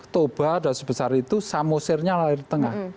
toba ada sebesar itu samosir nya lahir di tengah